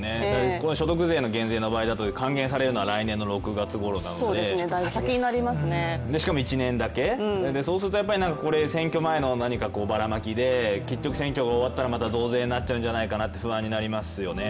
この所得税減税の場合だと還元されるのは来年の６月ごろなのでしかも１年だけ、そうするとこれ選挙前の何かばらまきできっと選挙が終わったらまた増税になっちゃうんじゃないかなって不安になりますよね。